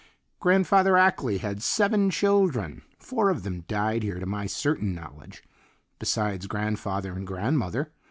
Grandfather Ackley had seven children; four of them died here to my certain knowledge, besides grandfather and grandmother.